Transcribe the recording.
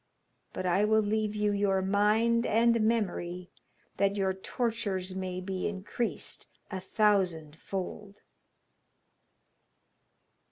But I will leave you your mind and memory, that your tortures may be increased a thousand fold.'